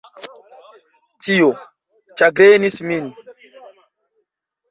Tio ĉagrenis min.